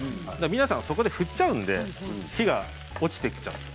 皆さんそこで振っちゃうんで火が落ちてきちゃう。